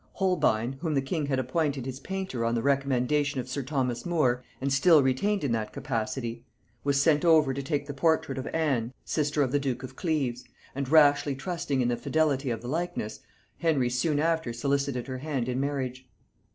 Holbein, whom the king had appointed his painter on the recommendation of sir Thomas More, and still retained in that capacity, was sent over to take the portrait of Anne sister of the duke of Cleves; and rashly trusting in the fidelity of the likeness, Henry soon after solicited her hand in marriage.